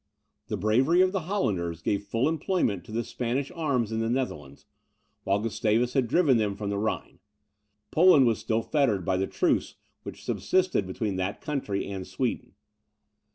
The bravery of the Hollanders gave full employment to the Spanish arms in the Netherlands; while Gustavus had driven them from the Rhine. Poland was still fettered by the truce which subsisted between that country and Sweden.